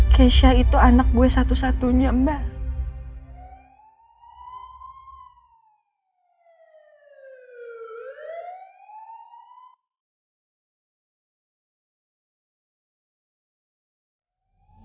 keisha itu anak gue satu satunya mbak